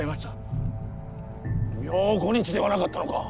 明後日ではなかったのか。